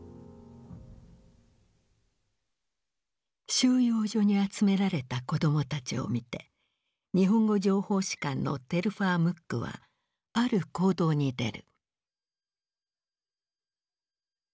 収容所に集められた子供たちを見て日本語情報士官のテルファー・ムックはある行動に出る。